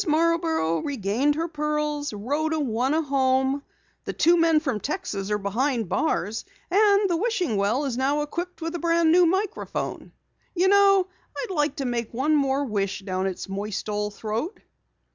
Marborough regained her pearls, Rhoda won a home, the two men from Texas are behind bars, and the wishing well is equipped with a brand new microphone! You know, I'd like to make one more wish down its moist old throat!"